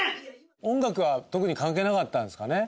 音楽は特に関係なかったんですかね？